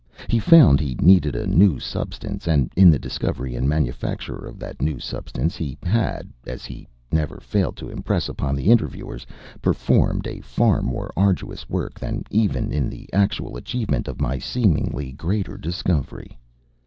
He found he needed a new substance, and in the discovery and manufacture of that new substance he had, as he never failed to impress upon the interviewers, "performed a far more arduous work than even in the actual achievement of my seemingly greater discovery."